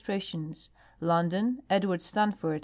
strations. London : Edward Stanford.